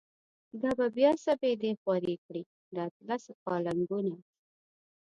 دا به بیا سپیدی خوری کړی، د اطلسو پا لنگونه